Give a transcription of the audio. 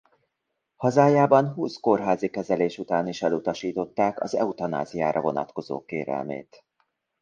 Hazájában húsz kórházi kezelés után is elutasították az eutanáziára vonatkozó kérelmét.